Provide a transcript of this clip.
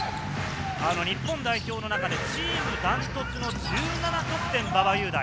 日本代表の中でチームダントツの１７得点、馬場雄大。